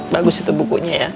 bagus itu bukunya ya